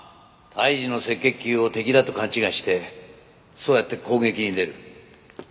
胎児の赤血球を敵だと勘違いしてそうやって攻撃に出る。